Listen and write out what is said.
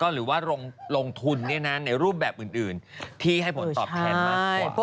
หรือว่าลงทุนในรูปแบบอื่นที่ให้ผลตอบแทนมากกว่า